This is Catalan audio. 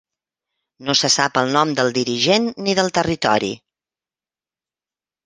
No se sap el nom del dirigent ni del territori.